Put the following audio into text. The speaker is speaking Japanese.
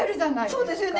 そうですよね